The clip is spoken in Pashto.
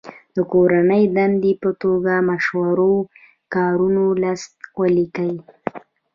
د کورنۍ دندې په توګه مشهورو کارونو لست ولیکئ.